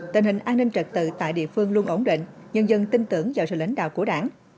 tình hình an ninh trật tự tại địa phương luôn ổn định nhân dân tin tưởng vào sự lãnh đạo của đảng